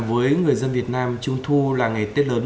với người dân việt nam trung thu là ngày tết lớn